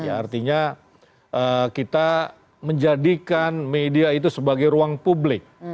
artinya kita menjadikan media itu sebagai ruang publik